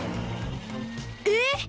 えっ！